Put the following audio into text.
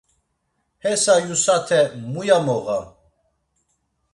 Hesa yusate muya moğam?